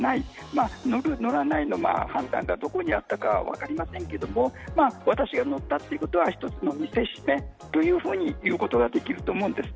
まあ、載る、載らないの判断がどこにあったか分かりませんが私が載ったということは、一つの見せしめということができると思うんです。